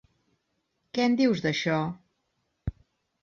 Què en dius d'això?